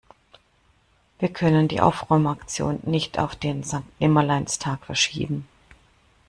Wir können die Aufräumaktion nicht auf den Sankt-Nimmerleins-Tag verschieben.